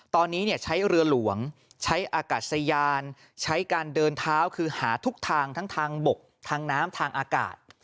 ตอนนี้ใช้เรือหลวงใช้อากาศยานใช้การเดินเท้าคือหาทุกทางทั้งทางบกทางน้ำทางอากาศ